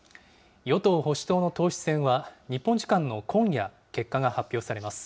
与党・保守党の党首選は日本時間の今夜、結果が発表されます。